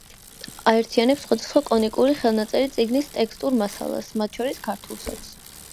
აერთიანებს სხვადასხვა კანონიკური ხელნაწერი წიგნის ტექსტურ მასალას, მათ შორის ქართულსაც.